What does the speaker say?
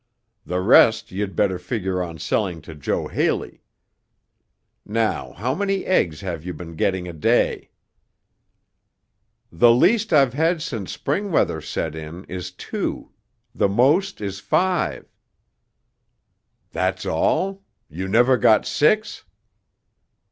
The rest you'd better figure on selling to Joe Haley. Now how many eggs have you been getting a day?" "The least I've had since spring weather set in is two. The most is five." "That's all? You never got six?"